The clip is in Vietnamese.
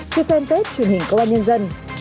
trên fanpage truyền hình công an nhân dân